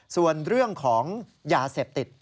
ส่วนเรื่องของยาเสพติด